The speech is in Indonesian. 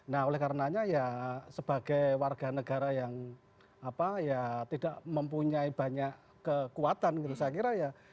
nah oleh karenanya ya sebagai warga negara yang tidak mempunyai banyak kekuatan gitu saya kira ya